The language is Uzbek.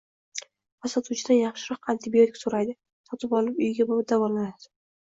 va sotuvchidan «yaxshiroq» antibiotik so‘raydi, sotib olib uyiga borib «davolanadi».